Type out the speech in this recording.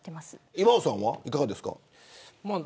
岩尾さんはいかがですか。